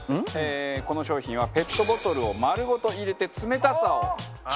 この商品はペットボトルを丸ごと入れて冷たさをキープできる。